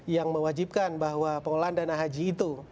yang mewajibkan bahwa pengolahan dana haji itu